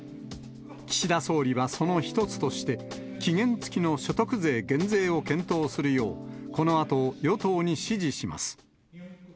岸田総理はその一つとして、期限付きの所得税減税を検討するよう、このあと与党に指示します。